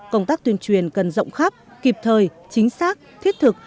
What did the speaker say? công tác tuyên truyền cần rộng khắp kịp thời chính xác thiết thực